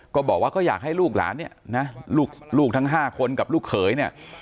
ก็บอกว่าก็อยากให้ลูกหลานเนี่ยนะลูกทั้ง๕คนกับลูกเขยเนี่ย